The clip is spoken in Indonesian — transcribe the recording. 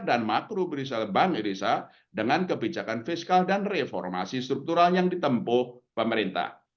dan makro berisal bank irisa dengan kebijakan fiskal dan reformasi struktural yang ditempuh pemerintah